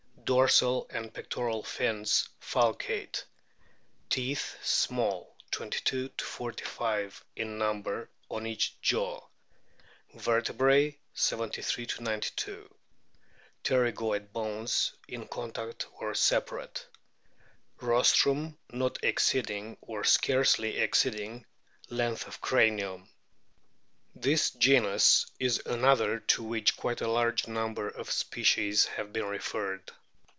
Dorsal and pectoral fins falcate. Teeth small, 22 45 m number on each jaw. Vertebrae, 73 92. Pterygoid bones in contact or separate. Rostrum not exceeding, or scarcely exceeding, length of cranium. This genus is another to which quite a large number of species have been referred.